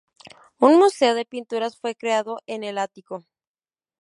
Un museo de pinturas fue creado en el ático.